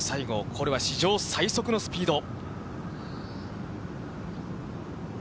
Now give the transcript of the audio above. これは史上最速のスピード。